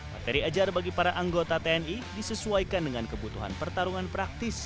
materi ajar bagi para anggota tni disesuaikan dengan kebutuhan pertarungan praktis